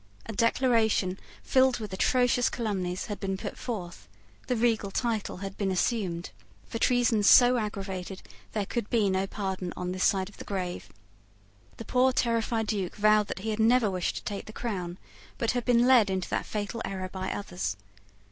A Declaration, filled with atrocious calumnies, had been put forth. The regal title had been assumed. For treasons so aggravated there could be no pardon on this side of the grave. The poor terrified Duke vowed that he had never wished to take the crown, but had been led into that fatal error by others.